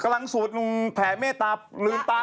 กำลังสูตรแฮะเมตตาลืมตา